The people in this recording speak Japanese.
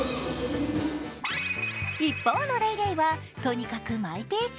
一方のレイレイはとにかくマイペース。